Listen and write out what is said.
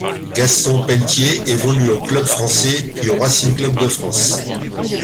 Gaston Peltier évolue au Club français puis au Racing Club de France.